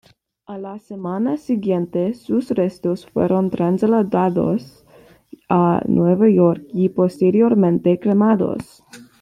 A la semana siguiente sus restos fueron trasladados a Nueva York, y posteriormente cremados.